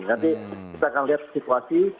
nanti kita akan lihat situasi